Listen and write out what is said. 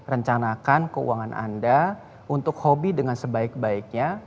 rencanakan keuangan anda untuk hobi dengan sebaik baiknya